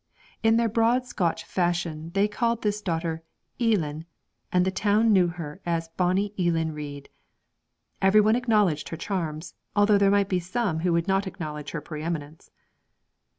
In their broad Scotch fashion they called this daughter Eelan, and the town knew her as 'Bonnie Eelan Reid'; everyone acknowledged her charms, although there might be some who would not acknowledge her preeminence.